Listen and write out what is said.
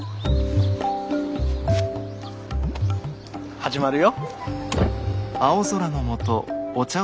始まるよ。